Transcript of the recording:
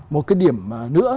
một cái điểm nữa